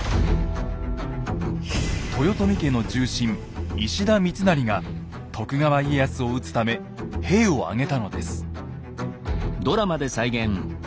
豊臣家の重臣・石田三成が徳川家康を討つため兵を挙げたのです。